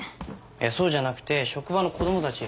いやそうじゃなくて職場の子供たち。